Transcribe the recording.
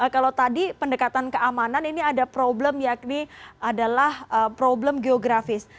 kalau tadi pendekatan keamanan ini ada problem yakni adalah problem geografis